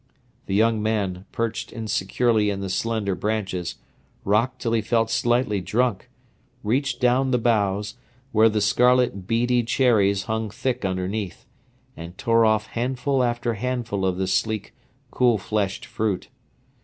The young man, perched insecurely in the slender branches, rocked till he felt slightly drunk, reached down the boughs, where the scarlet beady cherries hung thick underneath, and tore off handful after handful of the sleek, cool fleshed fruit.